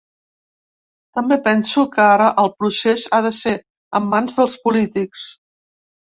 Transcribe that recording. També penso que ara el procés ha de ser en mans dels polítics.